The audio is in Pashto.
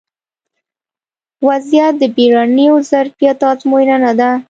ا وضعیت د بیړني ظرفیت ازموینه نه ده